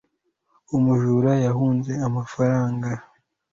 umujura yahunze amafaranga